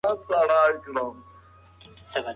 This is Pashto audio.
موږ په اختر کې جومات ته په پښو ځو.